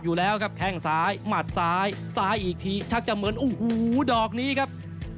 อยู่แล้วครับแข้งซ้ายหมัดซ้ายซ้ายอีกทีชักจะเหมือนโอ้โหดอกนี้ครับ